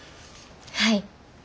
はい。